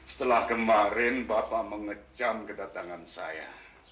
setelah kemarin bapak mengecam kedatangan saya